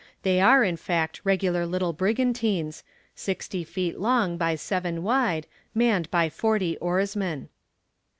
They are in fact regular little brigantines, sixty feet long by seven wide, manned by forty oarsmen.